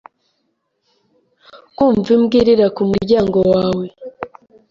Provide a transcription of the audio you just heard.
Kumva imbwa irira kumuryango wawe